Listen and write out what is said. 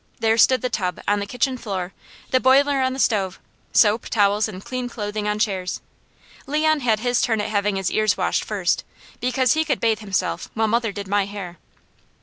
There stood the tub on the kitchen floor, the boiler on the stove, soap, towels, and clean clothing on chairs. Leon had his turn at having his ears washed first, because he could bathe himself while mother did my hair.